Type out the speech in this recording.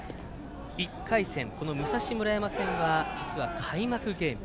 １回戦、武蔵村山戦は実は開幕ゲーム。